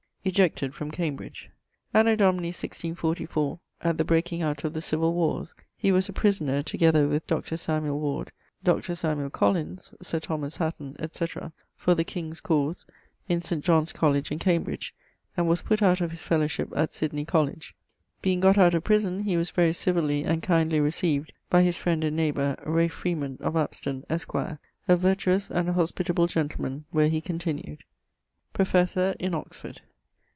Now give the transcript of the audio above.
<_Ejected from Cambridge._> Anno Domini 164<4>, at the breaking out of the civill warres, he was a prisoner, together with Dr. Ward, Dr. Collins, Sir Thomas Hatton, &c. for the king's cause, in St. John's Colledge in Cambridge, and was putt out of his fellowship at Sydney Colledge. Being gott out of prison, he was very civilly and kindly received by his friend and neighbour, Ralph Freeman, of Apsten, esq., a vertuous and hospitable gentleman, where he continued.... <_Professor in Oxford.